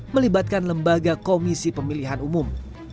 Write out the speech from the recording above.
melibatkan lembaga komisi pemilihan umum